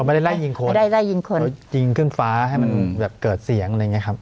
ไม่ได้ไล่ยิงคนไม่ได้ไล่ยิงคนเขายิงขึ้นฟ้าให้มันแบบเกิดเสียงอะไรอย่างเงี้ครับ